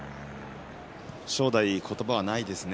正代、言葉はないですね。